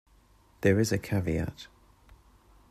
There is a caveat.